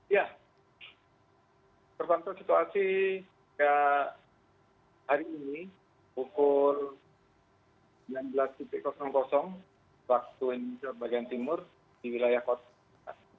ya terpantau situasi hari ini pukul sembilan belas waktu indonesia bagian timur di wilayah kota